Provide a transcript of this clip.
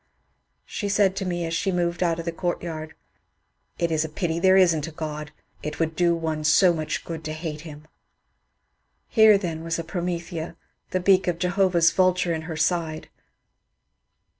She said to me as she moved out of the courtyard, ^^ It is a pity there is n*t a (rod ; it would do one so much good to hate him." Here then was a Promethea — the beak of Jehovah's vul ture in her side